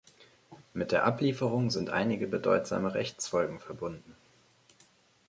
Mit der Ablieferung sind einige bedeutsame Rechtsfolgen verbunden.